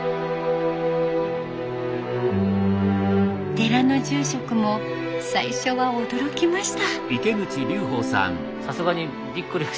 寺の住職も最初は驚きました。